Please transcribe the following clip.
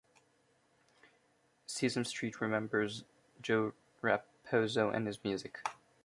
Sesame Street Remembers Joe Raposo and His Music.